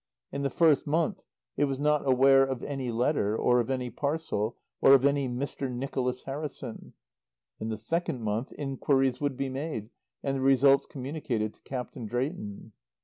In the first month it was not aware of any letter or of any parcel or of any Mr. Nicholas Harrison. In the second month inquiries would be made and the results communicated to Captain Drayton.